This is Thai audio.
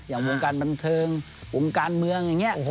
อย่างวงการบันเทิงวงการเมืองอย่างนี้